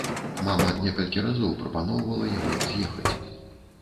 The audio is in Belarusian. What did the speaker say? Мама некалькі разоў прапаноўвала яму з'ехаць.